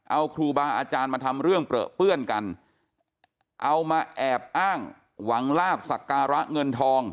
เอาครูบาอาจารย์มาทำเรื่องเปลือเปื้อนกันเอามาแอบอ้างหวังลาบสักการะเงินทอง